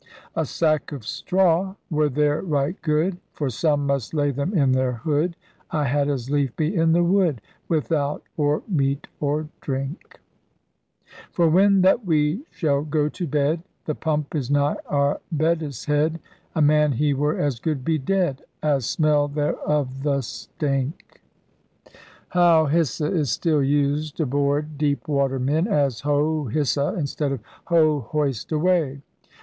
A sack of straw were there right good; For some must lay them in their hood: I had as lief be in the wood, Without or meat or drink ! LIFE AFLOAT IN TUDOR TIMES 39 For when that we shall go to bed. The pump is nigh our beddes head: A man he were as good be dead As smell thereof the stynke! Howe — hissa! is still used aboard deepwater men as Ho — hissa! instead of Ho — hoist away!